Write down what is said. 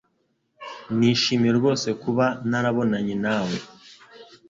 Nishimiye rwose kuba narabonanye nawe